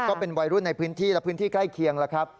ก็เป็นวัยรุ่นในพื้นที่และพื้นที่ใกล้เคียงแล้วครับ